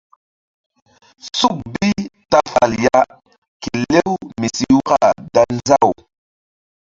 Suk bi ta fal ya kelew mi si waka dan nzaw.